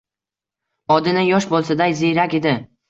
Odina yosh bo`lsa-da, ziyrak edi